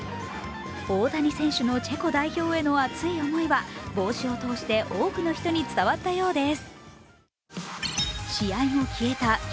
大谷のチェコ代表への熱い思いは帽子を通して多くの人に伝わったようです。